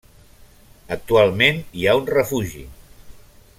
Actualment hi ha un refugi.